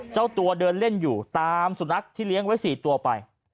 เจ้าตัวเดินเล่นอยู่ตามสุนัขที่เลี้ยงไว้๔ตัวไป